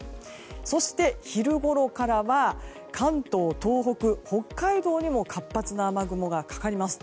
そして、昼ごろからは関東、東北、北海道にも活発な雨雲がかかります。